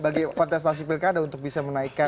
bagi kontestasi pilkada untuk bisa menaikkan